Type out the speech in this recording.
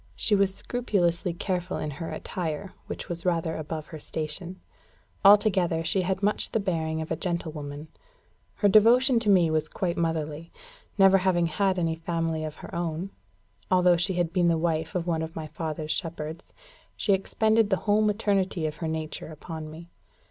She was scrupulously careful in her attire, which was rather above her station. Altogether, she had much the bearing of a gentle woman. Her devotion to me was quite motherly. Never having had any family of her own, although she had been the wife of one of my father's shepherds, she expended the whole maternity of her nature upon me.